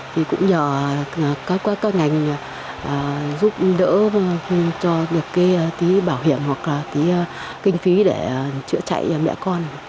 thì cũng nhờ các ngành giúp đỡ cho được cái tí bảo hiểm hoặc là tí kinh phí để chữa chạy mẹ con